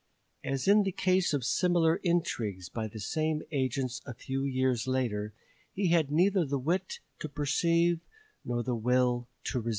As in the case of similar intrigues by the same agents a few years later, he had neither the wit to perceive nor the will to resist.